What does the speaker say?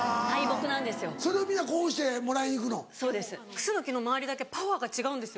クスノキの周りだけパワーが違うんですよ。